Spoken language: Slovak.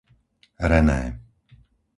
René